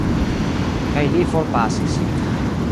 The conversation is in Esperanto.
Kaj li forpasis.